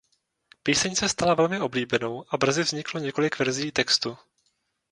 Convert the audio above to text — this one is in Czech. Píseň se stala velmi oblíbenou a brzy vzniklo několik verzí textu.